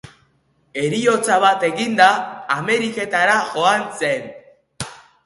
Heriotza bat eginda, Ameriketara joan zen.